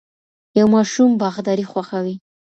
یو ماشوم باغداري خوښوي.